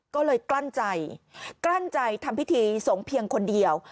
ก็เลยกลั้นใจทำพิธีสงเพียงคนเดียว